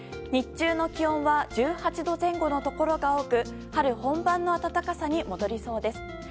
日中の気温は１８度前後のところが多く春本番の暖かさに戻りそうです。